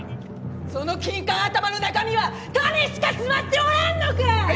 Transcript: そのキンカン頭の中身は種しか詰まっておらんのか！